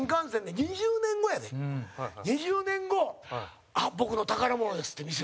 ２０年後やで、２０年後「僕の宝物です」って見せて。